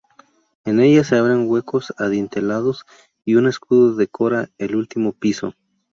En ella se abren huecos adintelados y un escudo decora el último piso.